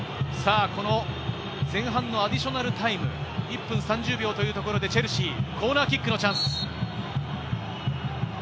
この前半のアディショナルタイム、１分３０秒というところでチェルシー、コーナーキックのチャンス。